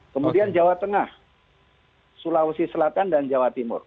kemudian jawa tengah sulawesi selatan dan jawa timur